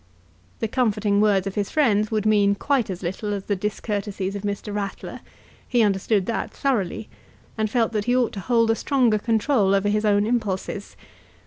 The comforting words of his friends would mean quite as little as the discourtesies of Mr. Ratler. He understood that thoroughly, and felt that he ought to hold a stronger control over his own impulses.